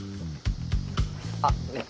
あっねえ